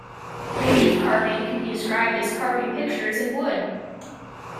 Relief carving can be described as "carving pictures in wood".